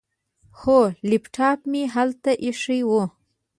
هو، لیپټاپ مې هلته ایښی و.